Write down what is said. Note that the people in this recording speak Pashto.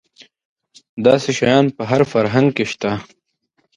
داسې شیان په هر فرهنګ کې شته.